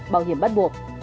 bảo hiểm bắt buộc